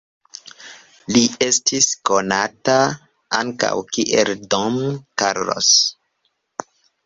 Li estis konata ankaŭ kiel Don Carlos.